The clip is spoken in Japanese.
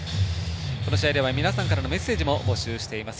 この試合では皆さんからのメッセージも募集しています。